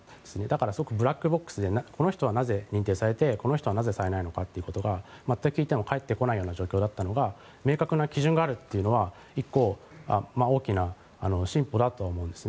だからすごくブラックボックスでこの人はなぜされてこの人はなぜされなかったのかというのを聞いても全く返ってこない状況だったのが明確な基準があるというのは１個大きな進歩だと思うんです。